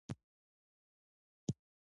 رسوب د افغان ښځو په ژوند کې رول لري.